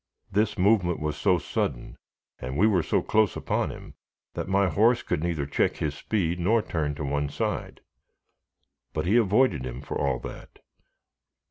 This movement was so sudden, and we were so close upon him, that my horse could neither check his speed nor turn to one side. But he avoided him for all that.